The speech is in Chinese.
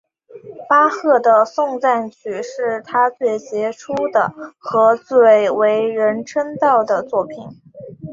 巴赫的颂赞曲是他最杰出的和最为人称道的作品。